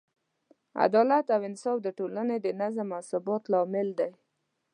عدالت او انصاف د ټولنې د نظم او ثبات لامل دی.